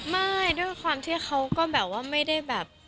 ไม่ด้วยความที่เขาก็แบบว่าไม่ได้แบบ